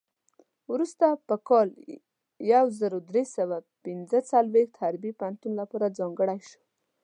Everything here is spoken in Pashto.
وروسته په کال یو زر درې سوه پنځه څلوېښت حربي پوهنتون لپاره ځانګړی شو.